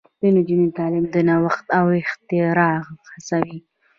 د نجونو تعلیم د نوښت او اختراع هڅوي.